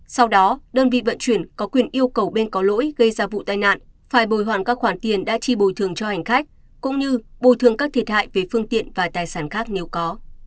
sau đó đơn vị vận chuyển có quyền yêu cầu bên có lỗi gây ra vụ tai nạn phải bồi hoàn các khoản tiền đã chi bồi thường cho hành khách cũng như bồi thương các thiệt hại về phương tiện và tài sản khác nếu có